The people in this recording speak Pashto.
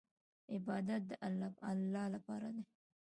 عبادت د الله لپاره دی.